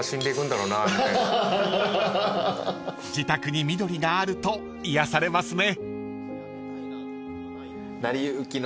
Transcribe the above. ［自宅に緑があると癒やされますね］